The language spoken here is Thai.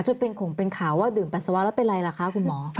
จนเป็นข่งเป็นข่าวว่าดื่มปัสสาวะแล้วเป็นไรล่ะคะคุณหมอ